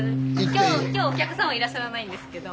今日はお客さんはいらっしゃらないんですけど。